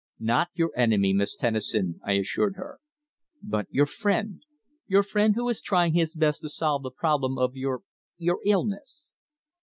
"Not your enemy, Miss Tennison," I assured her. "But your friend your friend who is trying his best to solve the problem of your your illness."